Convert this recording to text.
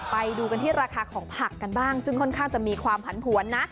ไปดูกันที่ราคาของผักกันบ้างซึ่งค่อนข้างจะมีความผันผวนนะ